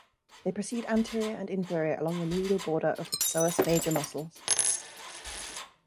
They proceed anterior and inferior along the medial border of the psoas major muscles.